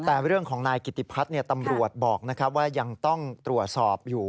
แต่เรื่องของนายกิติพัฒน์ตำรวจบอกว่ายังต้องตรวจสอบอยู่